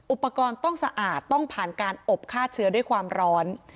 อุปกรณ์ต้องสะอาดต้องผ่านการอบฆ่าเชื้อด้วยความร้อน